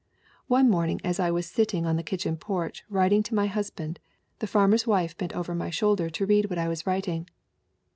"One morning as I was sitting on the kitchen porch writing to my husband the farmer's wife bent over my shoulder to read what I was writing.